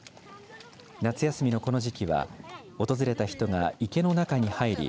夏休みのこの時期は訪れた人が池の中に入り